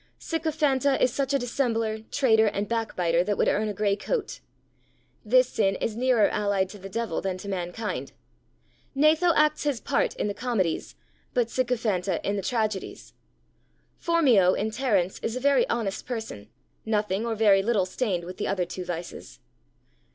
Sycophanta is such a dissembler, traitor, and backbiter that would earn a grey coat. This sin is nearer allied to the devil than to mankind. Gnatho acts his part in the comedies, but Sycophanta in the tragedies. Phormio, in Terence, is a very honest person, nothing, or very little, stained with the other two vices.